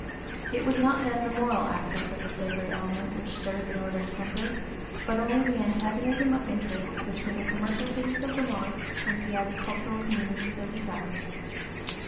It was not then the moral aspect of the slavery element which stirred the northern temper, but only the antagonism of interests between the commercial cities of the North and the agricultural communities of the South.